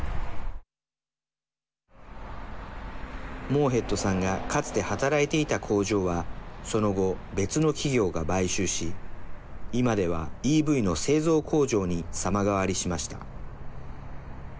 モーヘッドさんがかつて働いていた工場はその後、別の企業が買収し今ではＥＶの製造工場に様変わりしました。